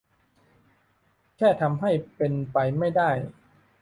แค่ทำให้เป็นไปไม่ได้